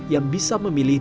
yang bisa memilih